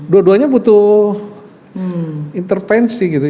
dua duanya butuh intervensi gitu